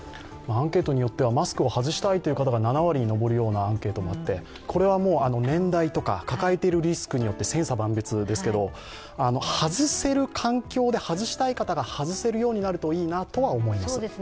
アンケートによっては、マスクを外したいというのが７割に上るものもあってこれは年代とか抱えているリスクによって千差万別ですけど、外せる環境で外したい方が外せるようになるといいなと思います。